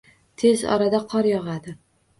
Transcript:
Tez orada qor yogʻadi.